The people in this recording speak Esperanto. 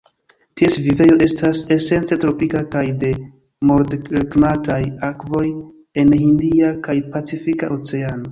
Ties vivejo estas esence tropika kaj de moderklimataj akvoj en Hindia kaj Pacifika Oceano.